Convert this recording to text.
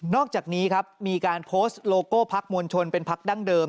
อกจากนี้ครับมีการโพสต์โลโก้พักมวลชนเป็นพักดั้งเดิม